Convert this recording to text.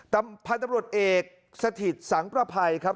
ทางพาห่าน้ำรวดเอกสถิตสังว่าภัยครับ